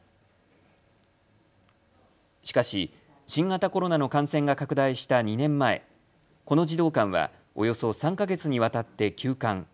しかし新型コロナの感染が拡大した２年前、この児童館はおよそ３か月にわたって休館。